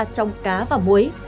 trong cá và muối